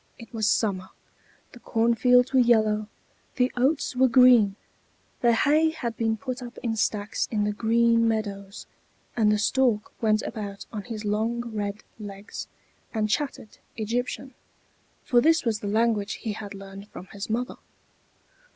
It was summer; the cornfields were yellow, the oats were green, the hay had been put up in stacks in the green meadows; and the stork went about on his long red legs, and chattered Egyptian, for this was the language he had learned from his mother.